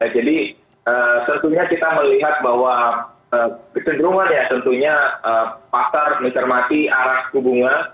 jadi tentunya kita melihat bahwa cenderungan ya tentunya pasar mencermati arah suku bunga